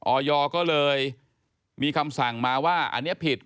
ออยก็เลยมีคำสั่งมาว่าอันนี้ผิด